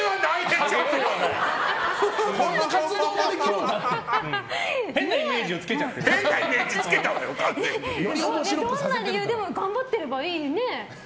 どんな理由でも頑張ってればね。